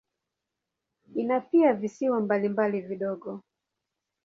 Ina pia visiwa mbalimbali vidogo.